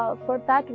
jadi untuk hal itu